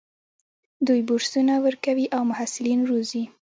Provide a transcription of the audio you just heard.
دوی بورسونه ورکوي او محصلین روزي.